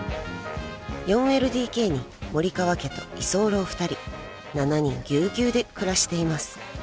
［４ＬＤＫに森川家と居候２人７人ぎゅうぎゅうで暮らしています］